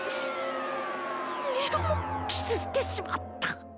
二度もキスしてしまった！